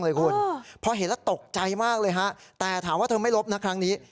เลยคุณพอเห็นแล้วตกใจมากเลยฮะแต่ถามว่าเธอไม่ลบนะครั้งนี้